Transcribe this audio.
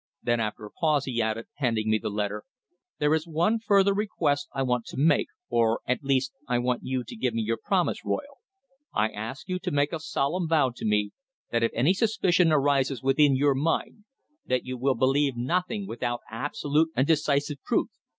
Then, after a pause, he added, handing me the letter: "There is one further request I want to make or, at least, I want you to give me your promise, Royle. I ask you to make a solemn vow to me that if any suspicion arises within your mind, that you will believe nothing without absolute and decisive proof.